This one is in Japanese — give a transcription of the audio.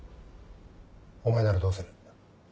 お前ならどうする？